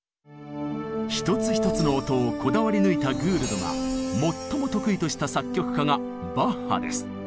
一つ一つの音をこだわり抜いたグールドが最も得意とした作曲家がバッハです。